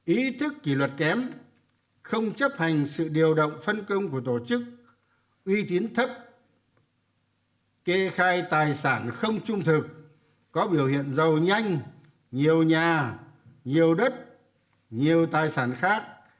ý thức kỷ luật kém không chấp hành sự điều động phân công của tổ chức uy tín thấp kê khai tài sản không trung thực có biểu hiện giàu nhanh nhiều nhà nhiều đất nhiều tài sản khác